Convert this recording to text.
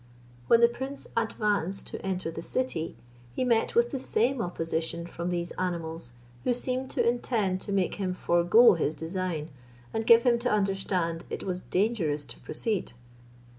When the prince advanced to enter the city, he met with the same opposition from these animals, who seemed to intend to make him forego his design, and give him to understand it was dangerous to proceed.